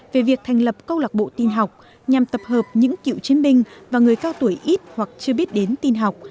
về việc thành lập câu lạc bộ tin học nhằm tập hợp những cựu chiến binh và người cao tuổi ít hoặc chưa biết đến tin học